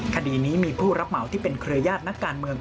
คดีนี้มีผู้รับเหมาที่เป็นเครือญาตินักการเมือง